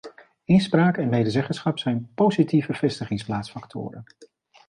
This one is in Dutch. Inspraak en medezeggenschap zijn positieve vestigingsplaatsfactoren.